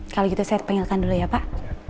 kalau gitu saya panggilkan dulu ya pak